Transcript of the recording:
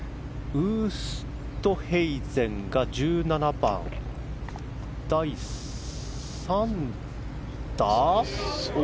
ウーストヘイゼンが１７番、第３打。